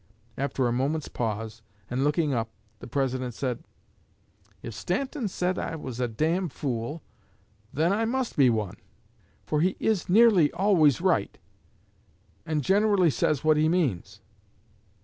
After a moment's pause, and looking up, the President said, 'If Stanton said I was a d d fool, then I must be one, for he is nearly always right, and generally says what he means.